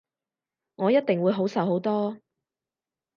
我一定會好受好多